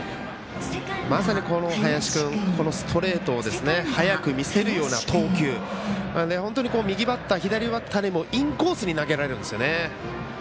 まさに林君、ストレートを速く見せるような投球右バッター、左バッターにもインコースに投げられるんですよね。